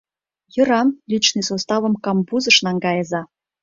— Йӧра, личный составым камбузыш наҥгайыза.